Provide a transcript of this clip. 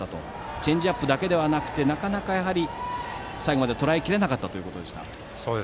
チェンジアップだけではなくてなかなか最後までとらえきれなかったということでした。